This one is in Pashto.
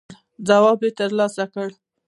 ځواب تر لاسه کړ.